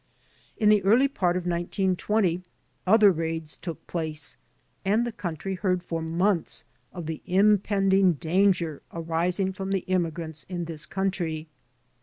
In the early part of 1920 other raids took place and the country heard for months of the impending danger arising from the immigrants in this country.